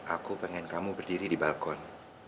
aku pengen kamu berdiri di balkon